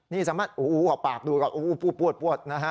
นี่สามารถอู๋ออกปากดูก่อนอู๋ปวดนะฮะ